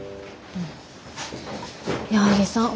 うん。